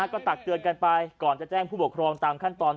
ก็ตักเตือนกันไปก่อนจะแจ้งผู้ปกครองตามขั้นตอน